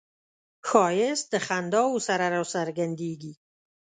ښایست د خنداوو سره راڅرګندیږي